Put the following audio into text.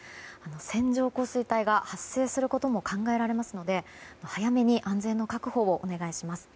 線状降水帯が発生することも考えられますので早めに安全の確保をお願いします。